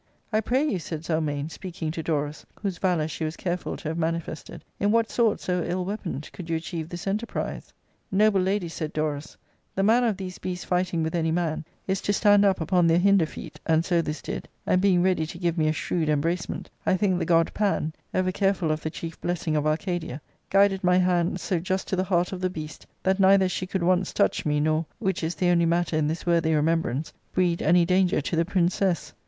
" I pray you," said Zelmane, speaking to Dorus, whose valour she was careful to have manifested, " in what sort, so ill weaponed, could you achieve this enterprise ?'*"" Noble lady," said Dorus, " the manner of these beasts* fighting with any man is to stand up upon their hinder feet ; and so this did ; and being ready to give me a shrewd embracement, I think the god Pan (ever careful of the chief blessing of Arcadia) guided my hand so just to the heart of the beast that neither she could once touch me, nor (which is the only matter in this worthy remembrance) breed any danger" to the princess.